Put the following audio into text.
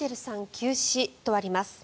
急死とあります。